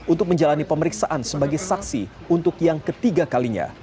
untuk menjalani pemeriksaan sebagai saksi untuk yang ketiga kalinya